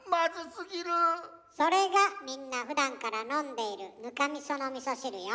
それがみんなふだんから飲んでいる糠味噌の味噌汁よ。